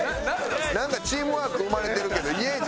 なんかチームワーク生まれてるけど「イエーイ！」